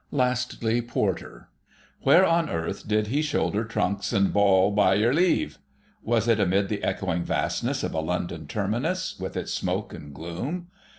Lastly: Porter. Where on earth did he shoulder trunks and bawl "By y'r leave"? Was it amid the echoing vastness of a London terminus, with its smoke and gloom?